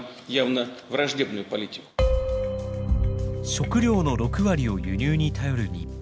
食料の６割を輸入に頼る日本。